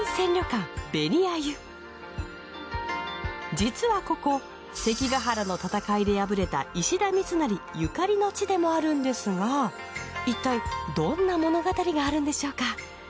実はここ関ケ原の戦いで敗れた石田三成ゆかりの地でもあるんですがいったいどんな物語があるんでしょうか？